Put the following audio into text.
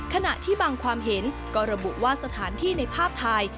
ขณะที่บางความเห็นก็ระบุว่าสถานที่ในภาพถ่าย